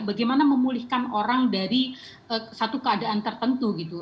bagaimana memulihkan orang dari satu keadaan tertentu gitu